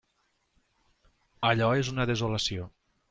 Allò és una desolació.